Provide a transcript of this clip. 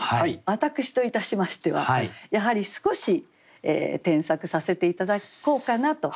私といたしましてはやはり少し添削させて頂こうかなと。